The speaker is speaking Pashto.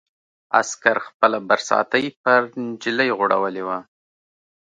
عسکر خپله برساتۍ پر نجلۍ غوړولې وه.